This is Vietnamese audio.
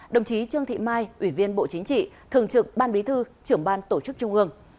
đồng chí trương thị mai ủy viên bộ chính trị thường trực ban bí thư trưởng ban tổ chức trung ương